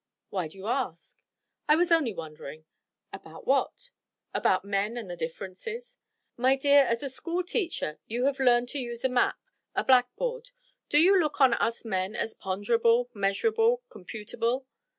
"Why do you ask?" "I was only wondering." "About what?" "About men and the differences." "My dear, as a school teacher you have learned to use a map, a blackboard. Do you look on us men as ponderable, measurable, computable?"